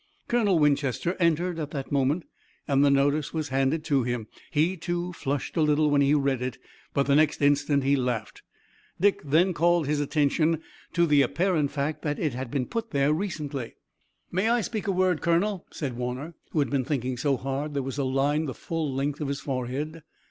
Colonel Winchester entered at that moment and the notice was handed to him. He, too, flushed a little when he read it, but the next instant he laughed. Dick then called his attention to the apparent fact that it had been put there recently. "May I speak a word, Colonel," said Warner, who had been thinking so hard that there was a line the full length of his forehead.